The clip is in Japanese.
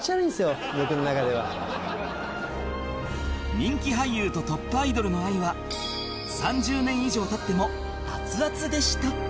人気俳優とトップアイドルの愛は３０年以上経っても熱々でした